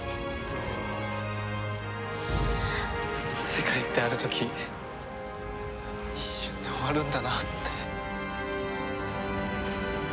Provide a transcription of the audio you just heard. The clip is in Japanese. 世界ってある時一瞬で終わるんだなって。